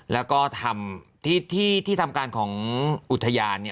แล้วก็ทำที่ทำการของอุทยาน